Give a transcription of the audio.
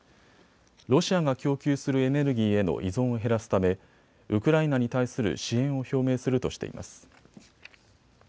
ロシアが供給するエネルギーへの依存を減らすためウクライナに対する支援を表明するとしています。